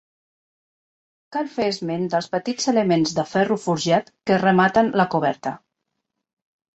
Cal fer esment dels petits elements de ferro forjat que rematen la coberta.